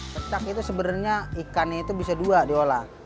pecak itu sebenarnya ikannya itu bisa dua diolah